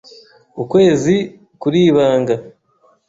Ukwezi kuribanga.